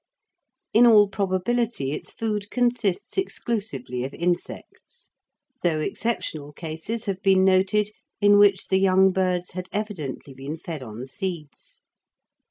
In all probability its food consists exclusively of insects, though exceptional cases have been noted in which the young birds had evidently been fed on seeds.